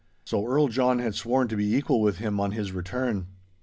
So Earl John had sworn to be equal with him on his return.